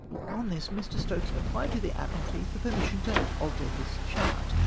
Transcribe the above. On this, Mr. Stokes applied to the Admiralty for permission to alter his chart